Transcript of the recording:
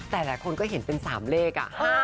แต่ละคนก็จะหาเป็น๓เลข๕๑๑